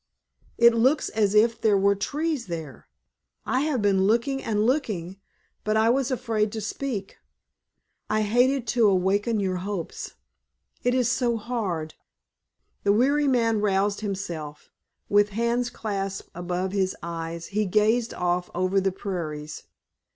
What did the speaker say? It looks as if there were trees there. I have been looking and looking, but I was afraid to speak. I hated to awaken your hopes—it is so hard——" The weary man roused himself. With hands clasped above his eyes he gazed off over the prairies.